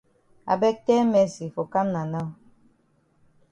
I beg tell Mercy for kam na now.